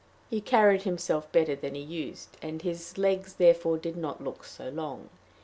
He carried himself better than he used, and his legs therefore did not look so long.